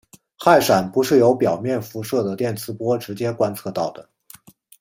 氦闪不是由表面辐射的电磁波直接观测到的。